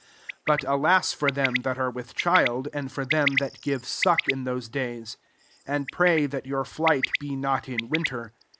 17 " But alas for them that are with child, and for them thar gire suck in those days. 18 And pray that [^your flight] be not in winter.